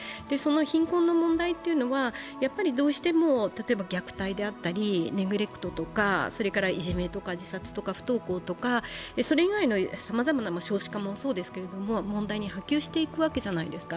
貧困の問題っていうのはどうしても、例えば虐待だったりネグレクトだったり、いじめとか自殺とか不登校とか、それ以外のさまざまな、少子化もそうですけど、問題に波及していくわけじゃないですか。